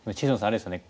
あれですね